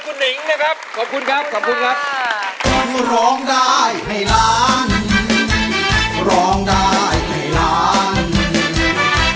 เพลงนี้อยู่ในอาราบัมชุดแรกของคุณแจ็คเลยนะครับ